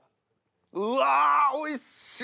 うわおいしい！